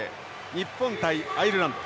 日本対アイルランド。